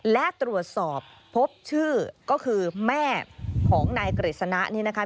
และตรวจสอบพบชื่อก็คือแม่ของนายกฤษณะนี่นะคะ